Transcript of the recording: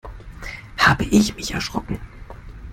Habe ich mich erschrocken!